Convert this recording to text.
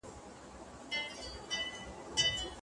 سمه لیکنه د املا لویه ګټه ده.